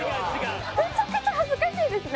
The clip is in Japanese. めちゃくちゃ恥ずかしいですね。